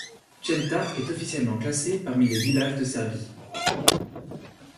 Čenta est officiellement classée parmi les villages de Serbie.